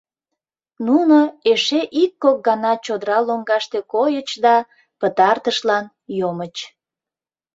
Нуно эше ик-кок гана чодыра лоҥгаште койыч да пытартышлан йомыч.